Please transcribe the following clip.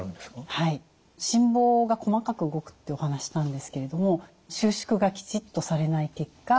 心房が細かく動くってお話ししたんですけれども収縮がきちっとされない結果